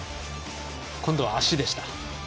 今度は足でした。